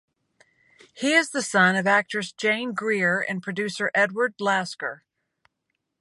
He is the son of actress Jane Greer and producer Edward Lasker.